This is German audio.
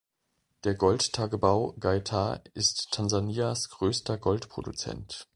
Der Gold-Tagebau Geita ist Tansanias größter Goldproduzent.